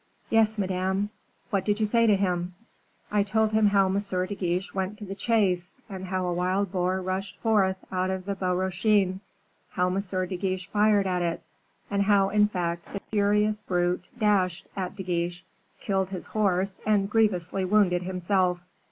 "Yes, Madame." "What did you say to him?" "I told him how M. de Guiche went to the chase, and how a wild boar rushed forth out of the Bois Rochin; how M. de Guiche fired at it, and how, in fact, the furious brute dashed at De Guiche, killed his horse, and grievously wounded himself."